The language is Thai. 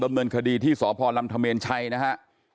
ดำเนินคดีที่สพลำธเมนชัยนะฮะ